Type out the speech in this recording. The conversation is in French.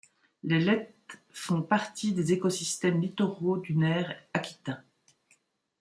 Les lettes font partie des écosystèmes littoraux dunaires aquitains.